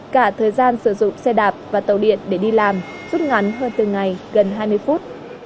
cả thời gian sử dụng xe đạp và tàu điện để đi làm rút ngắn hơn từng ngày gần hai mươi phút